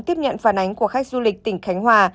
tiếp nhận phản ánh của khách du lịch tỉnh khánh hòa